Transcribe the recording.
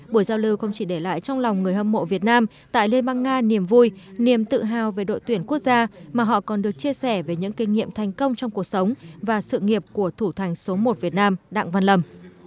buổi giao lưu không chỉ để lại trong lòng người hâm mộ việt nam tại liên bang nga niềm vui niềm tự hào về đội tuyển quốc gia mà họ còn được chia sẻ về những kinh nghiệm thành công trong cuộc sống và sự nghiệp của thủ thành số một việt nam đặng văn lâm